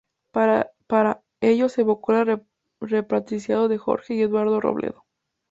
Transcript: Para, ello se abocó a la repatriación de Jorge y Eduardo Robledo.